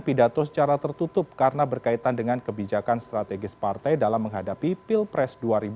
pidato secara tertutup karena berkaitan dengan kebijakan strategis partai dalam menghadapi pilpres dua ribu sembilan belas